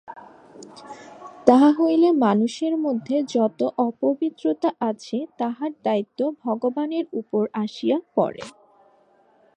তাহা হইলে মানুষের মধ্যে যত অপবিত্রতা আছে, তাহার দায়িত্ব ভগবানের উপর আসিয়া পড়ে।